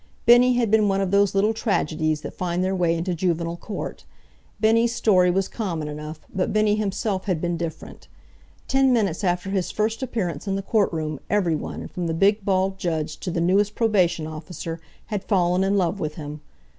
Bennie had been one of those little tragedies that find their way into juvenile court. Bennie's story was common enough, but Bennie himself had been different. Ten minutes after his first appearance in the court room everyone, from the big, bald judge to the newest probation officer, had fallen in love with him.